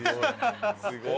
すごい。